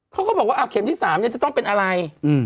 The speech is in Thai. เขาก็บอกว่าเข็มที่๓จะต้องเป็นอะไร